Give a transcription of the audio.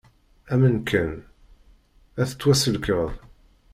Amen kan, ad tettwasellkeḍ.